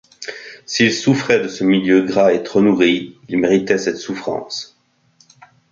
S’il souffrait de ce milieu gras et trop nourri, il méritait cette souffrance.